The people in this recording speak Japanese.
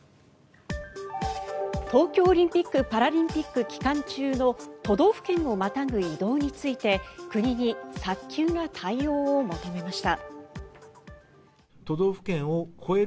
東京オリンピック・パラリンピック期間中の都道府県をまたぐ移動について国に早急な対応を求めました。